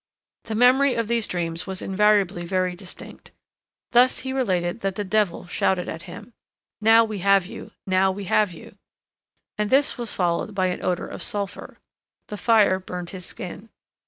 The memory of these dreams was invariably very distinct. Thus, he related that the devil shouted at him: "Now we have you, now we have you," and this was followed by an odor of sulphur; the fire burned his skin.